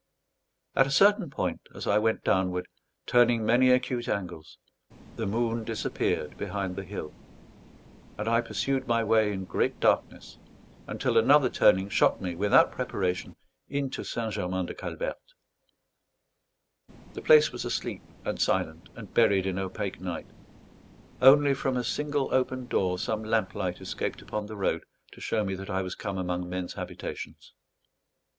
At a certain point, as I went downward, turning many acute angles, the moon disappeared behind the hill; and I pursued my way in great darkness, until another turning shot me without preparation into St. Germain de Calberte. The place was asleep and silent, and buried in opaque night. Only from a single open door, some lamplight escaped upon the road to show me that I was come among men's habitations.